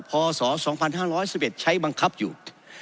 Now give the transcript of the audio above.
พศ๒๕๑๑ใช้บังคับอยู่